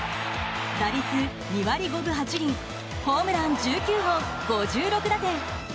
打率２割５分８厘ホームラン１９本、５６打点。